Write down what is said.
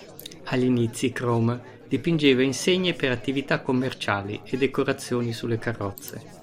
Agli inizi Crome dipingeva insegne per attività commerciali e decorazioni sulle carrozze.